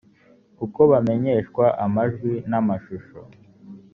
uko bamenyeshwa amajwi n amashusho